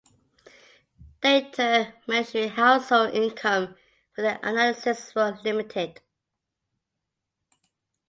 Data measuring household income for that analysis were limited.